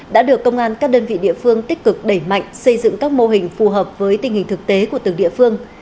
đã được công an các đơn vị địa phương tích cực đẩy mạnh xây dựng các mô hình phù hợp với tình hình thực tế của từng địa phương